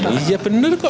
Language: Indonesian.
iya bener kok